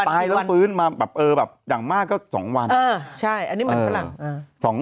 ตายแล้วฟื้นอย่างมากก็๒วันแบบอ่าใช่อันนี้แบบฝรั่ง